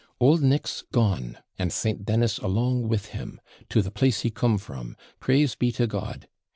Old Nick's gone, and St. Dennis along with him, to the place he come from praise be to God!